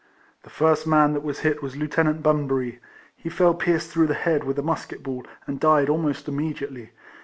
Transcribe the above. The first man that was hit was Lieuten ant Bunbury; he fell pierced through the head with a musket ball, and died almost immediately.